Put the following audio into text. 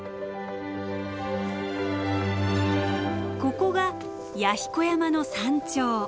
ここが弥彦山の山頂。